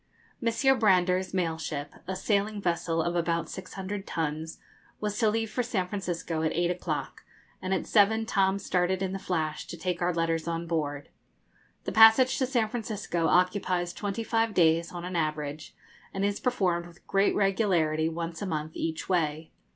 Messrs. Brander's mail ship, a sailing vessel of about 600 tons, was to leave for San Francisco at eight o'clock, and at seven Tom started in the 'Flash' to take our letters on board. The passage to San Francisco occupies twenty five days on an average, and is performed with great regularity once a month each way.